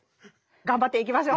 頑張っていきましょう。